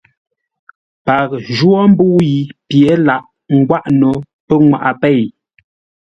Paghʼə jwó mbə́ʉ yi pye laghʼ ngwáʼ no pənŋwaʼa pêi.